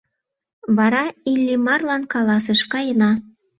Вара Иллимарлан каласыш: «Каена!»